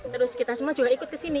terus kita semua juga ikut kesini